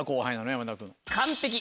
山田君。